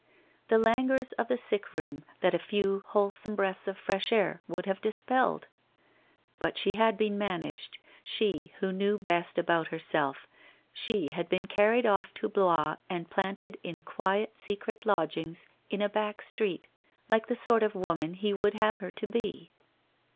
The languors of the sick room, that a few whole some breaths of fresh air would have dispelled ! But she had been managed, she who knew best about herself, she had been carried off to Blois and planted in quiet secret lodgings in a back street, like the sort of woman he would have her to be.